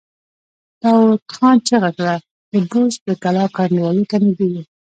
داوود خان چيغه کړه! د بست د کلا کنډوالو ته نږدې يو!